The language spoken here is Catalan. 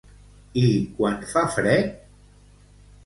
I quan fa fred?